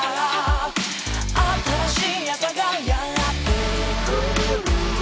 「新しい朝がやってくる」